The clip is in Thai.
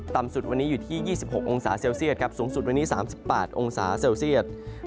ต่ำสุดวันนี้อยู่ที่๒๖องศาเซลเซียตครับสูงสุดวันนี้๓๘องศาเซลเซียต